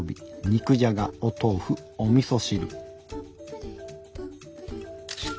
肉じゃがお豆腐おみそ汁。